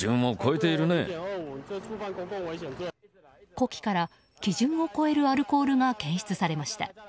呼気から基準を超えるアルコールが検出されました。